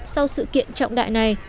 sau sự kiện trọng đại này